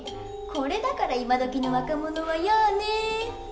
これだから今どきの若者はやあね。